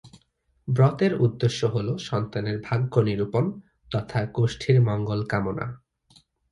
ব্রতের উদ্দেশ্য হল সন্তানের ভাগ্য নিরূপণ তথা গোষ্ঠীর মঙ্গল কামনা।